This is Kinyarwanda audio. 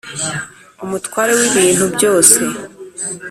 umutware w ibintu byose